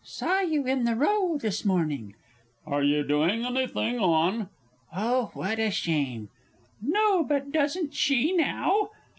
Saw you in the Row this mornin'.... Are you doing anything on ?... Oh, what a shame!... No, but doesn't she now?...